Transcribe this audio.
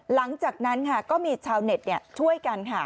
หลังจากนั้นค่ะก็มีชาวเน็ตช่วยกันค่ะ